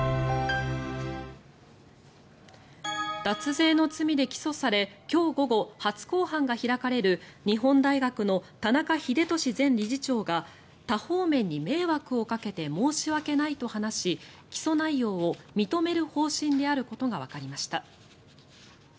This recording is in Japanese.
脱税の罪で起訴され今日午後、初公判が開かれる日本大学の田中英寿前理事長が多方面に迷惑をかけて申し訳ないと話し起訴内容を認める方針であることがわかりました。